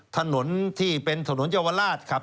ถนนที่เป็นถนนเยาวราชครับ